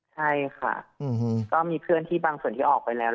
ใช่ค่ะก็มีเพื่อนที่บางส่วนที่ออกไปแล้ว